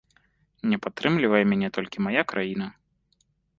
Не падтрымлівае мяне толькі мая краіна.